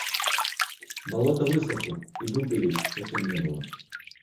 Болото высохло, и дупелей совсем не было.